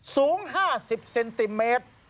สูง๕๐เซนติเมตร